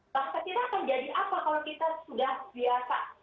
bangsa kita akan jadi apa kalau kita sudah biasa